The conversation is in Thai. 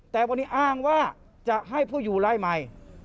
แต่วันนี้อ้างว่าจะให้ผู้อยู่รายใหม่